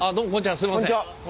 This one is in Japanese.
すいません。